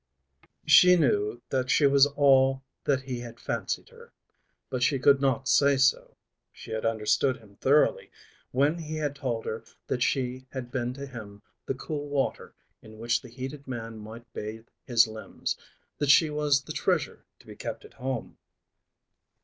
She knew that she was all that he had fancied her, but she could not say so. She had understood him thoroughly when he had told her that she had been to him the cool water in which the heated man might bathe his limbs; that she was the treasure to be kept at home.